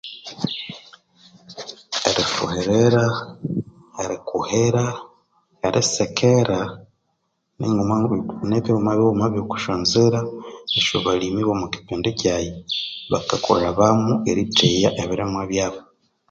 Erifuhirira, erikuhira, erisekera, ninguma nibighuma-bighuma byo kusyanzira esyabalimi bomu kipindi kyaghe bakakolhawamu etheya ebirimwa byabu